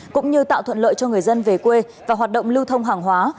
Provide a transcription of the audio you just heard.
cũng như tạo thuận lợi cho người dân về quê và hoạt động lưu thông hàng hóa